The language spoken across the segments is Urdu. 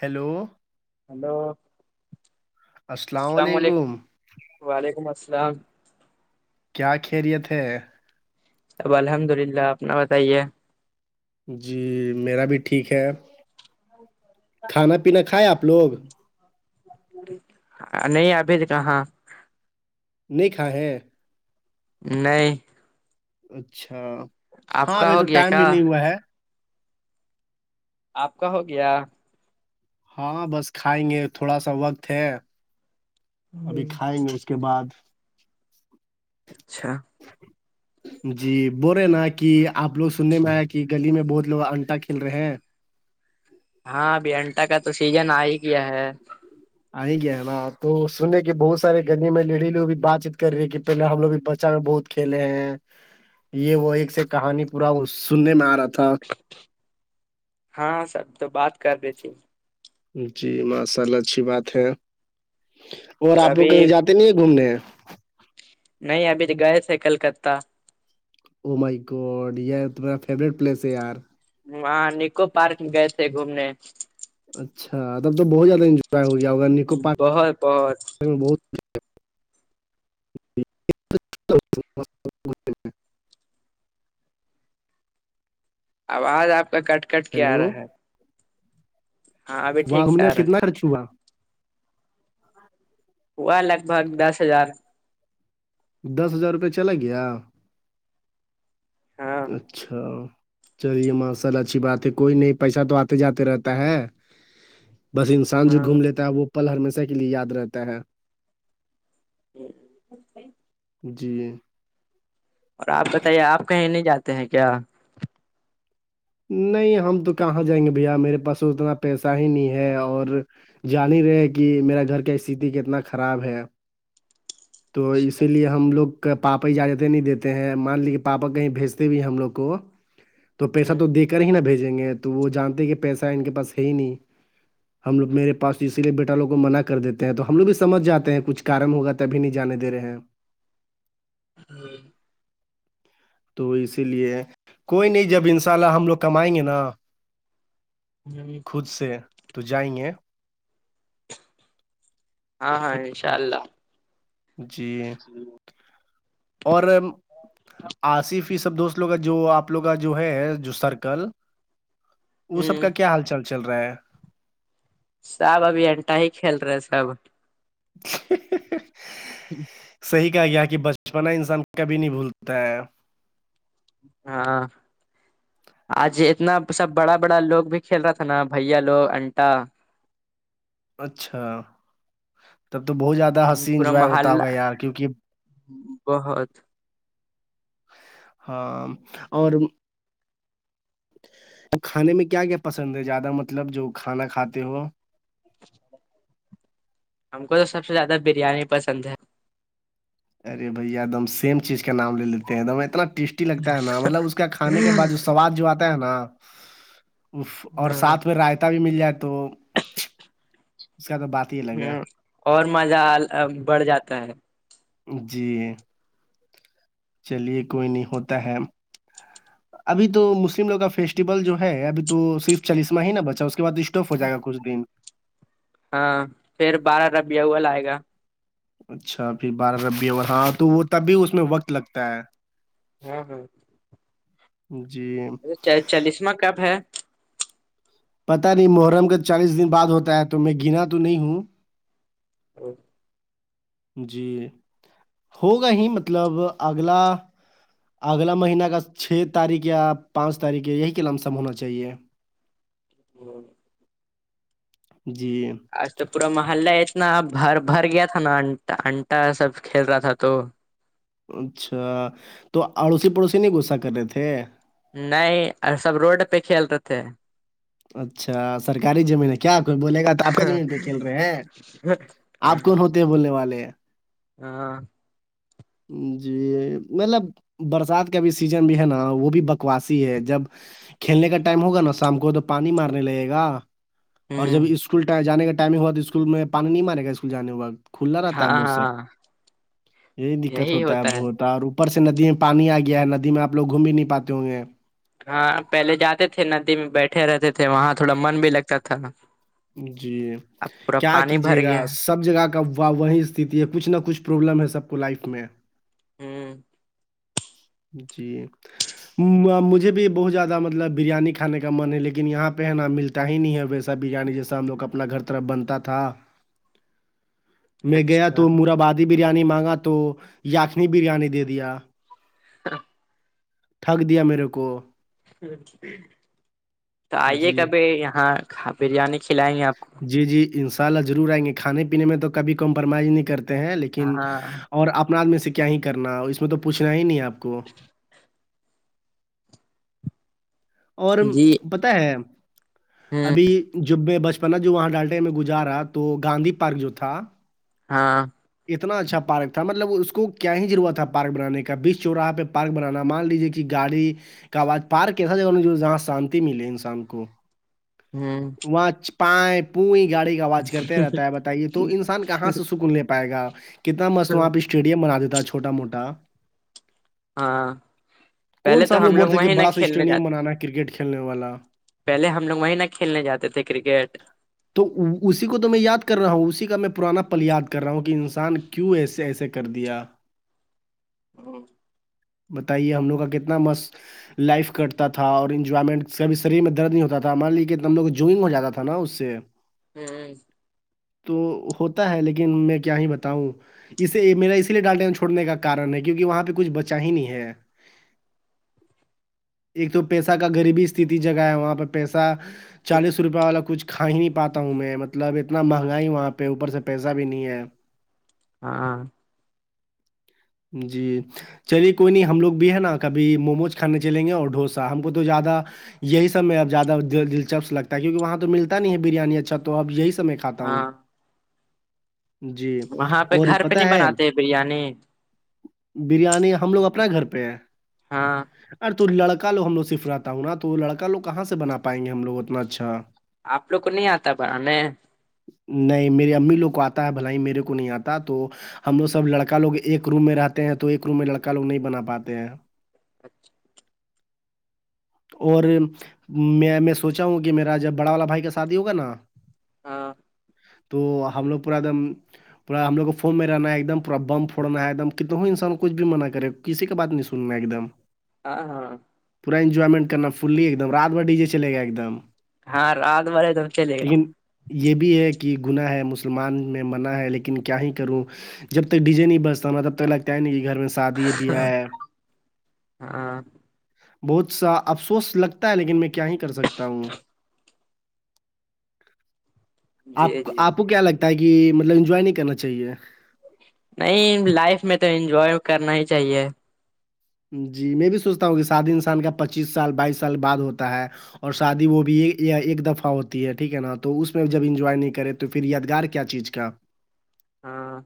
ہیلو [unintelligible] ہلو السلام علیکم وعلیکم السلام کیا خیریت ہے اب الحمد للہ اپنا بتائیے جی میرا بھی ٹھیک ہے کھانا پینا کھائے آپ لوگ نہیں ابھی تھ کہاں نہیں کھا ہے [unintelligible] نہیں اچھا آپ ہاں کا ابھی تو ہو گیا ٹائم کیا بھی نہیں ہوا ہے آپ کا ہو گیا ہاں بس کھائیں گے تھوڑا سا وقت ہے ابھی کھائیں گے اس کے بعد [unintelligible] اچھا ج [inaudible] جی بول رہے نا کہ آپ لوگ سننے میں آیا کہ گلی میں بہت لوگ انٹا کھیل رہے ہیں ہاں ابھی انٹا کا تو سیزن آ ہی گیا ہے آ گیا ہے نا تو سننے کہ بہت سارے گدنی میں لڈی لوگ بھی بات چیت کر رہے ہیں کہ پہلے ہم لوگ بھی بچان بہت کھیلے ہیں یہ وہ ایک سے کہانی پورا سننے میں آ رہا تھا ہاں سب تو بات کر رہی تھی جی ماشاء اللہ اچھی بات ہے اور آپ کو کہیں جاتے نہیں ہیں گھومنے نہیں ابھی تو گئے تھے کلکتہ امائی کوڈ یہ تمہیرا فیوریٹ پلیس ہے یار وہاں نکو پارک گئے تھے گھومنے اچھا تب تو بہت زیادہ انجوائے ہو گیا ہوگا نکو بہت بہت پارک بہت آواز آپ کا کٹ کٹ کیا آ ہیلو رہا ہے ہاں ابھی وہاں ٹھیک ہم سے نے آ رہا کتنا ہے خرچ ہوا ہوا لگ بھگ دس ہزار دس ہزار روپئے چلا گیا ہاں اچھا چلیے ماشال اچھی بات ہے کوئی نہیں پیسہ تو آتے جاتے رہتا ہے بس انسان جو گھوم ہاں لیتا ہے وہ پل ہمیشہ کے لیے یاد رہتا ہے [inaudible] جی اور آپ بتائیے آپ کہیں نہیں جاتے ہیں کیا نہیں ہم تو کہاں جائیں گے بھیا میرے پاس اتنا پیسہ ہی نہیں ہے اور جانی ہی رہے کہ میرا گھر کا استتی کتنا خراب ہے تو اسی لیے ہم لوگ پاپا اجازتیں نہیں دیتے ہیں مان لیج کے پاپا کہیں بھیجتے بھی ہیں ہم لوگ کو تو ہ پیسہ ہ تو دے کر ہی نہ بھیجیں گے تو وہ جانتے کہ پیسہ ان کے پاس ہے ہی نہیں ہم لگ میرے پاس اسیے بیٹا لوگ کو منع کر دیتے ہیں تو ہم لوگ بھی سمج جاتے ہیں کچھ کم ہوگا تبھی نہیں جانے د رہے ہیں ہ تو اسی لیے کوئی نہیں جب ان شاء اللہ ہم لوگ کمائیں گے نا جی خود سے تو جائیں گے ہاں ہاں انشاء اللہ جی اور آسی فیصد دوست لوگ کا جو آپ لوگ کا جو ہے جو سرکل ہ وہ سب کا کیا حال چال چل رہا ہے سب ابھی انٹا ہی کھیل رہے سب [unintelligible] ہوں صحیح کہا گیا کہ بچپنا انسان کبھی نہیں بھولتا ہے ہاں آج اتنا سب بڑا بڑا لوگ بھی کھیل رہا تھا نا بھیا لوگ انٹا اچھا تب تو بہت زیادہ ہنسی پورا انجوائے ہوتا محلہ ہوگا یار کیونکہ بہت ہاں اور تو کھانے میں کیا کیا پسند ہے زیادہ مطلب جو کھانا کھاتے ہو ہم کو تو سب سے زیادہ بریانی پسند ہے ارے بھیا ایک دم سیم چیز کا نام لے لیتے ہیں دم اتنا ٹیسٹی لگتا ہے نا مطلب اس کا کھانے کے بعد سواد جو آتا ہے نا اور ہاں سات میں ر بھی مل جائے تو اس کا تو بات ہی الگ ہے ہ اور مزہ بڑھ جاتا ہے جی چلیے کوئی نہیں ہوتا ہے ابھی تو مسلم لوگ کا فیسٹیول جو ہے ابھی تو صرف چالیسواں ہی نا بچا اس کے بعد اسٹوف ہو جائے گا کچھ دن ہاں پھر بارہ ربیہ ہو ل آئے گا اچھا پھر بارہ ربی او ہاں تو وہ تبھی اس میں وقت لگتا ہے ہاں ہاں جی چالیسوا کب ہے پتا نہیں محرم کا چالیس دن بعد ہوتا ہے تو میں گنا تو نہیں ہوں او جی ہوگا ہی مطلب اگلا اگلا مہینہ کا چھ تاریخ یا پانچ تاریخ یا یہی کے لم سم ہونا چاہیے [inaudible] جی جی آج تو پورا محلہ اتنا ب بھر گیا تھا نا ان انٹا سب کھیل رہا تھا تو اچھا تو اڑوسی پڑوسی نہیں غصہ کر رہے تھے نہیں سب روڈ پہ کھیل رہے تھے اچھا سرکاری زمین ہے کیا کوئی بولے گا تو آپ کے زمین پہ کھیل رہے ہیں [unintelligible] آپ کون ہوتے ہیں بولنے والے ہیں ہاں جی مطلب برسات کا بھی سیزن بھی ہے نا وہ بھی بکواسی ہے جب کھیلنے کا ٹائم ہوگا نا شام کو تو پانی مارنے لگے گا اور ہوں جب اسکول جانے کا ٹائم ہی ہوا تو اسکول میں پانی نہیں مارے گا اسکول جانے کے وقت کھلا رہتا ہاں ہے موسم ہاں یہ دقت ہوتا ہے بہت اور اوپر سے ندی میں پانی آ گیا ہے ندی میں آپ لوگ گھوم بھی نہیں پاتے ہوں گے ہاں پہلے جاتے تھے ندی میں بیٹھے اٹھے رہتے تھے وہاں تھوڑا من بھی لگتا تھا جی اب پورا کیا پانی بھر کیجیے گیا گا سب جگہ کا و وہی استھتی ہے کچھ نہ کچھ پرابلم ہے سب کو لائف میں ہوں [unintelligible] جی مجھے بھی بہت زیادہ مطلب بریانی کھانے کا من ہے لیکن یہاں پہ ہے نا ملتا ہی نہیں ہے ویسا بریانی جیسا ہم لوگ اپنا گھر طرف بنتا تھا میں گیا اچھا تو مربادی بریانی مانگا تو یخنی بریانی دے دیا ہ [unintelligible] ٹھگ دیا میرے کو تو آئیے جی کبھی یہاں بریانی کھلائیں گے آپ کو جی جی انشاء اللہ ضرور آئیں گے کھانے پینے میں تو کبھی کمپرمائز نہیں کرتے ہیں لیکن ہاں اور اپناد میں سے کیا ہی کرنا اس میں تو پوچھنا ہی نہیں ہے آپ کو اور جی پت ہے ہوں ابھی جبے بس پ جو وہاں ڈالٹے میں گزارا تو گاندھی پارک جو تھا [unintelligible] ہاں اتنا اچھا پارک تھا مطلب اس کو کیا ہی ضرورت تھا پارک بانے کا بیس چوراہا پہ ارک بنانا مان لیجیے کہ گاڑی کا آواز پارک کر [unintelligible] جہاں شانتی ملے انسان کو ہوں [unintelligible] وہاں چ- پائیں پنئییں گاڑی کا آواز کرتے رہتا ہے بتائیے تو انسان کہاں سے سکون نہیں پائے گا کتنا مست ہ آپ اسٹیڈیم بنا دیتا چھوٹا موٹا [unintelligible] ہاں کون پہلے سا تو ہم بول لوگ تھے کہ وہیں نہ بڑا سا کھیلنے اسٹیڈیم جاتے کرکٹ کھیلنے والا پہلے ہم لوگ وہیں نہ کھیلنے جاتے تھے کرکٹ تو اسی کو تو میں یاد کر رہا ہوں اسی کا میں پرانا پل یاد کر رہا ہوں کہ انسان کیوں ایسے ایسے کر دیا ہوں [unintelligible] بتائیے ہم لوگ کا کتنا مست لائف کا کرتا تھا اور انجوائمنٹ کبھی شریر میں درد نہیں ہوتا تھا مان لی کہم لوگ جوئنگ ہو جاتا تھا نا اس سے [inaudible] ہوں تو ہوتا ہے لیکن میں کیا ہی بتاؤں اس میرا اسی لیے ڈالٹے ہیں چھڑنے کا کن ہے کیونکہ وہاں پہ کچھ بچا ہی نہیں ہے ایک تو پیسہ کا غریبی است جگہ ہے وہاں پہ پیسہ چالیس روپے والا کچھ کھا ہی نہیں پاتا ہوں میں مطلب اتنا مہنگاائی وہاں پہ اوپر سے پیسہ بھی نہیں ہے ہاں ہاں جی چلیے کوئی نہیں ہم لوگ بھی ہے نا کبھی موموز کھانے چلیں گے اور ڈھوسا ہم کو تو زیادہ یہی سم میں اب زیادہ دلچسپ لگتا ہے کیونکہ وہاں تو ملتا نہیں ہے بریانی اچھا تو اب یہی سم میں کتاا ہ [unintelligible] جی وہاں پہ اور گھر پت پہ نہیں ہے بناتے بریانی بریانی ہم لوگ اپنے گھر پہ ہیں ہاں [unintelligible] ار تو لڑکا لوگ لوگ سفاتا ہوں نا تو لڑکا لو کہاں سے بنا پائیں گے ہم لوگ اتنا اچھا آپ لوگ کو نہیں آتا بڑ میں نہیں میری امی لوگ کو آتا ہے بھل ہی میرے کو نہیں آتا تو ہم لوگ سب لڑکا لوگ ایک روم میں رہتے ہیں تو ایک روم میں لڑکا لو نہیں بنا پاتے ہیں اچھا [unintelligible] اور میں میں سوچا ہوں کہ میرا جب بڑا والا بھائی کا شادی ہوگا نا ہاں تو ہم لوگ پورا ایک دم پورا ہم لوگ کو فون میں رہنا ہے ایک د پورا بم پھڑنا ہے ایکم ک تووں انسان کچھ بھی منع کرے کسی کا بات نہیں سننا ایک دم [unintelligible] ہاں ہاں پورا انجوائمنٹ کرنا فلی ایک دم رات بھر ڈی جے چلے گیا ایک دم ہاں رات بھرے توم چلے گا لیکن یہ بھی ہے کہ گناہ ہے مسلمان میں منع ہے لیکن کیا ہی کروں جب تک ڈی جے نہیں بستا ہوا تب تک لگتا ہے نہیں کہ گھر میں س ہاں ہاں بہت سا افسوس لگتا ہے لیکن میں کیا ہی کر سکتا ہوں جی آپ جی آپ کو کیا لگتا ہے کہ مطلب انجوائے نہیں کرنا چاہیے نہیں لائف میں تو انجوائے کرنا ہی چاہیے جی میں بھی سوچتا ہوں کہ شادی انسان کا پچیس سال بائیس سال بعد ہوتا ہے اور شادی وہ بھی ایک دفعہ ہوتی ہے ٹھیک ہے نا تو اس میں جب انجوائے نہیں کرے تو تو پھر یادگار کیا چیز کا [unintelligible] ہاں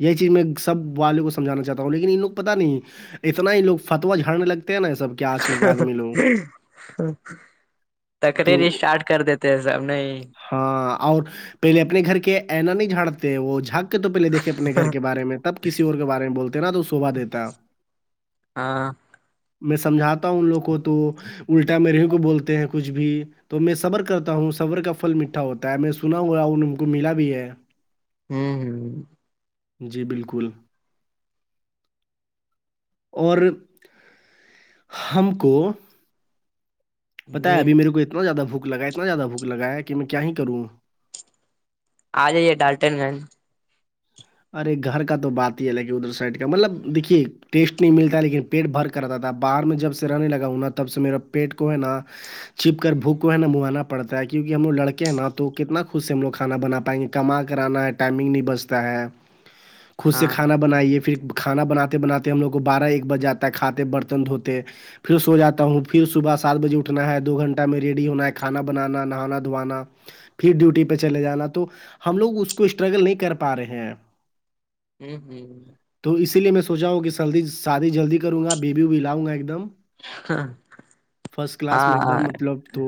یہی چیز میں سب والےوں کو سمجھانا چاہتا ہوں لیکن انن لوگ پتہ نہیں اتنا ہی لوگ فتوا جھاڑنے لگتے ہیں نا یہ سب کہ آج کل کے آدمی لوگ [inaudible] تکری تو ر اسٹارٹ کر دیتے ہیں سب نہیں ہاں اور پہلے اپنے گھر کے اینا نہیں جھاڑتے وہ جھک تو پہلے دیکے اپنے گھر کے بارے میں تب کسی اور کے بارے میں بولتے ہیں نا تو سوبا دیتا ہاں میں سمجھاتا ہوں ان لوگ کو تو الٹا میر ہی کو بولتے ہیں کچھ بھی تو میں صبر کرتا ہوں صبر کا فھل مٹھا ہوتا ہے میں سنا ہوا ہوں کو ملا بھی ہے ہوں ہ [unintelligible] جی بالکل اور ہم کو پتا ہ ہے ہ اب میرے کو ات زیادہھو لگ ات زیادہ بھو لگیا کہ میں کیا ہی کروں آ جائیے ڈالٹن گنج ارے گھر کا تو بات ہی ہے لک ادھر سائڈ کا مطلب دیکھیے ٹیسٹ نہیں ملتا لیکن پیٹ بھر کر رہتا تھا باہر میں جب سے رہنے لگاؤوں نا تب سے میرا پیٹ کو ہے نا چھپ کر بوک کو ہے نا منوانا پڑتا ہے کیونکہ ہم لگ لڑکے نا تو کتنا خوش سے ہم لوگ کھا بنا پائیں گے کما کرانا ہے ٹائمنگ نہیں بچتا ہے خود سے ہاں کھانا بنائیے پھر کھانا بناتے بناتے ہم لوگ کو بارہ ایک بج جاتا ہے کھاتے برتن دھوتے پھر سو جاتا ہوں پھر صبح سات بجے اٹھنا ہے دو گھنٹہ میں ریڈی ہونا ہے کھانا بنانا نہانا دھوانا پھر ڈیوٹی پہ چلے جانا تو ہم لوگ اس کو اسٹرگل نہیں کر پا رہے ہیں ا ہ [unintelligible] تو اسی لیے میں سوچا ہوں کہ سردی شادی جلدی کروں گا بیے بییو بھی لاؤں گا ایک دم فرسٹ کلاس ہاں میں ایک ہاں دم مطلب تو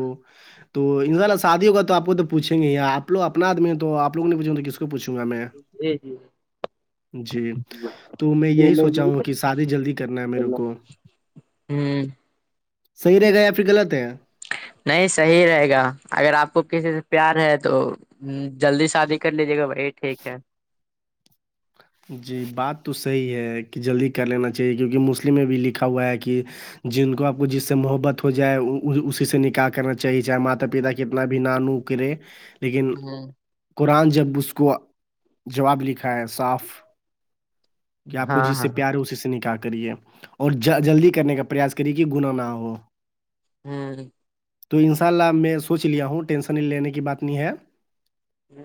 تو ان شاء اللہ شادی ہوا تو آپ کو تو پوھیں گے آپوگ اپنا آدمی ہیں تو آپوگ کو نہیںوچھیں گے تو کس کو پوچھوں گا میں جی جی جی تو میں یہی سوچا ہوں گا کہ شادی جلدی کرنا ہے میرے کو ہوں صحیح رہ گا یا پھر غلط ہے نہیں صحیح رہے گا اگر آپ کو کسی سے پیار ہے تو جلدی شادی کر لیجیے گا بھائی یہی ٹھیک ہے جی بات تو صحیح ہے کہ جلدی کر لینا چاہیے کیونکہ مسلم میں بھی لکھا ہوا ہے کہ جن کو آپ کو جس سے محبت ہو جائے اسی سے نکال کرنا چاہیے چاہی چاہے ماتا پتا کتنا بھی نہ نو کرے لیکن قرآن جب اس کو جواب لکھا ہے صاف کہ آپ کو ہاں جس سے ہاں پیار ہو اسی سے نکالح کریے اور جلدی کرنے کا پریاس کریے کہ گنا نہ ہو ہوں تو ان شاء اللہ میں سوچ لیا ہوں ٹینشن لینے کی بات نہیں ہے جی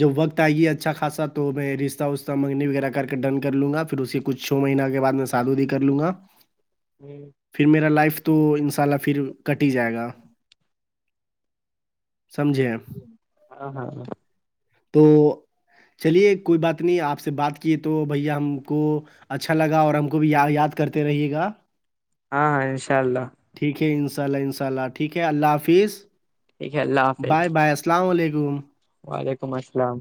جب وقت آئی اچھا خاصا تو میں رشہ وشہ منگنی وغیرہ کر کے ڈن کر لوں گا پھر اسی کو کچھ چو مہین کے بعد میں سادوودی کر لوں گا ہاں پھر میرا لائف تو تو ان شاء اللہ پھر کٹ ہی جائے گا سمجھے ہاں ہاں ہاں تو چلیے کوئی بات نہیں آپ سے بات کیے تو بھیا ہم کو اچھا لگا اور ہم کو بھی یا یاد کرتے رہیے گا ہاں ہاں ان شاء اللہ ٹھیک ہے ان شاء اللہ ان شاء اللہ ٹھیک ہے اللہ حافظ ٹھ ہے اللہ باے حافظ باے السلام علیکم وعلیکم السلام